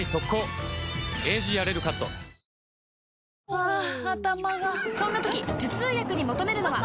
ハァ頭がそんな時頭痛薬に求めるのは？